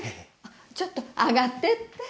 ちょっと上がってって。